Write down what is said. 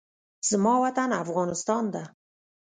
زما وطن افغانستان ده